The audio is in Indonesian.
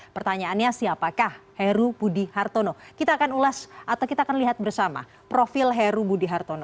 pertanyaannya siapakah heru budi hartono kita akan ulas atau kita akan lihat bersama profil heru budi hartono